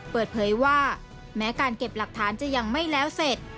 เปิดเผยว่าแม้การเก็บหลักฐานจะยังไม่แล้วเสร็จ